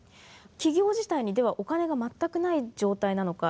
企業自体にではお金が全くない状態なのか。